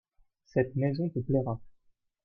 Cette maison te plaira.